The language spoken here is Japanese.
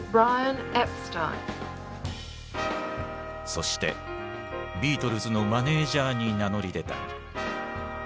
そしてビートルズのマネージャーに名乗り出た。